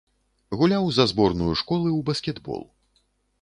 Гуляў за зборную школы ў баскетбол.